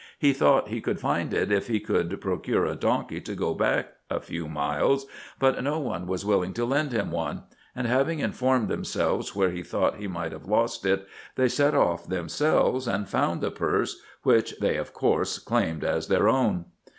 He thought he could find it if he could procure a donkey to go back a few miles, but no one was willing to lend him one ; and having informed themselves where he thought he might have lost it, they set off themselves and found the purse, which they of course claimed as their own.